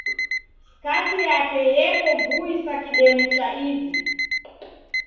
Skati yake yeko vui sa kidemu cha izi